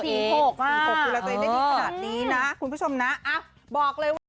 ดูแลตัวเองได้ดีขนาดนี้นะคุณผู้ชมนะบอกเลยว่า